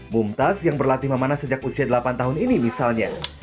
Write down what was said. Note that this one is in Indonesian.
bumtaz yang berlatih memanah sejak usia delapan tahun ini misalnya